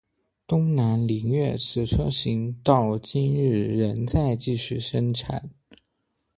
东南菱悦此车型到今日仍在继续生产。